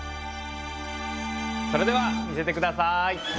それでは見せてください！